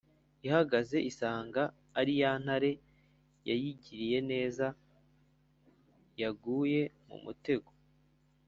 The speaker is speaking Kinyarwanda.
ihageze isanga ari ya ntare yayigiriye neza yaguye mu mutego.